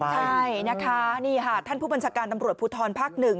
ใช่นะคะนี่ค่ะท่านผู้บัญชาการตำรวจภูทรภาค๑